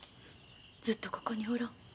ずっとここにおろう。